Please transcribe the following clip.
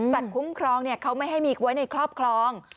คุ้มครองเขาไม่ให้มีไว้ในครอบครอง